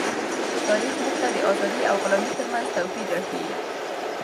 تاریخ موږ ته د آزادۍ او غلامۍ ترمنځ توپیر راښيي.